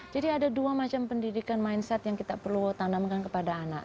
jadi ada dua macam pendidikan mindset yang kita perlu tanamkan kepada anak